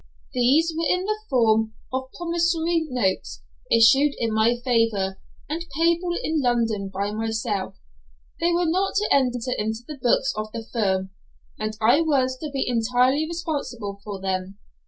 These were in the form of promissory notes, issued in my favour, and payable in London by myself; they were not to enter into the books of the firm, and I was to be entirely responsible for them.